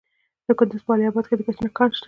د کندز په علي اباد کې د ګچ کان شته.